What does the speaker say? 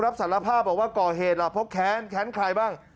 บอกว่าก่อเหตุเข้นใครบ้าง